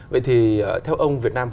vậy thì theo ông việt nam